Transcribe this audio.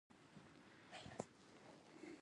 لیکونه باید وضاحت ولري.